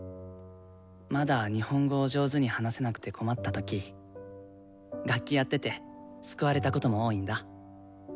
まだ日本語を上手に話せなくて困った時楽器やってて救われたことも多いんだ。